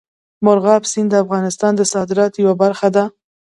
مورغاب سیند د افغانستان د صادراتو یوه برخه ده.